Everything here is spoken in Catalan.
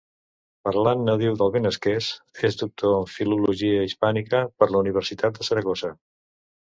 Parlant nadiu del benasquès, és doctor en Filologia Hispànica per la Universitat de Saragossa.